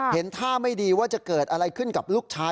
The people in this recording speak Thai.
เห็นท่าไม่ดีว่าจะเกิดอะไรขึ้นกับลูกชาย